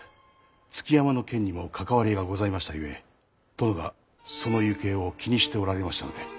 築山の件にも関わりがございましたゆえ殿がその行方を気にしておられましたので。